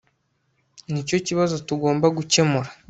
Nicyo kibazo tugomba gukemura